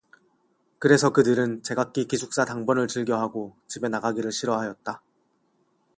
그래서 그들은 제각기 기숙사 당번을 즐겨 하고 집에 나가기를 싫어하였다.